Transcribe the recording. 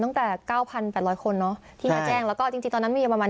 ตั้งแต่๙๘๐๐คนเนอะที่มาแจ้งแล้วก็จริงตอนนั้นมีอยู่ประมาณ